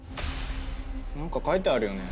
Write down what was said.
何か書いてあるよね。